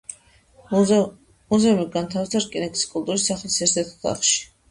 მუზეუმი განთავსდა რკინიგზის კულტურის სახლის ერთ-ერთ ოთახში.